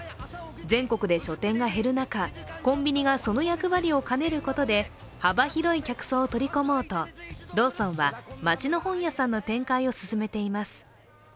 全国で書店が減る中、コンビニがその役割を兼ねることで幅広い客層を取り込もうとローソンは、マチの本屋さんの展開を進めています。